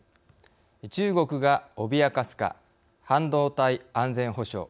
中国が脅かすか半導体安全保障。